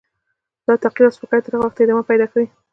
. دا تحقیر او سپکاوی تر هغه وخته ادامه پیدا کوي.